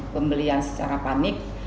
pembelian secara panik